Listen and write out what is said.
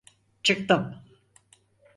Çıktım.